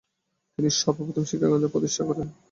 তিনি সর্বপ্রথম শিক্ষাকেন্দ্র প্রতিষ্ঠা করেছেন।